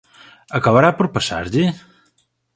Acabará por pasarlle?